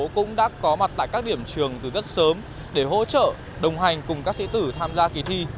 cũng đã có mặt tại các điểm trường từ rất sớm để hỗ trợ đồng hành cùng các sĩ tử tham gia kỳ thi